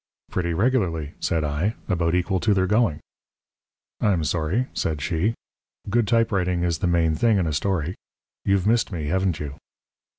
"Pretty regularly," said I. "About equal to their going." "I'm sorry," said she. "Good typewriting is the main thing in a story. You've missed me, haven't you?"